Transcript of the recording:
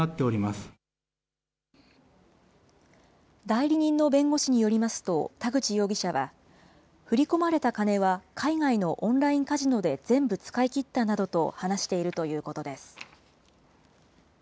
代理人の弁護士によりますと、田口容疑者は、振り込まれた金は、海外のオンラインカジノで全部使い切ったなどと話しているということです。